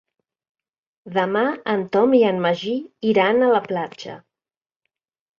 Demà en Tom i en Magí iran a la platja.